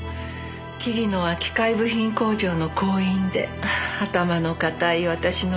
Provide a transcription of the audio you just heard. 桐野は機械部品工場の工員で頭の固い私の両親は。